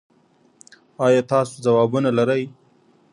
ایا تاسو ځوابونه لرئ؟